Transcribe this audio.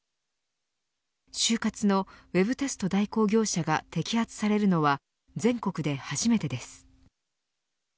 就活のウェブテスト代行業者が摘発されるのは全国で初めてです。